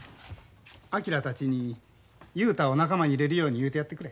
昭たちに雄太を仲間に入れるように言うてやってくれ。